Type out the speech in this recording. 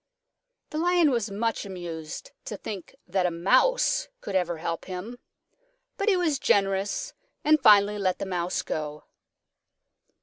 The Lion was much amused to think that a Mouse could ever help him. But he was generous and finally let the Mouse go.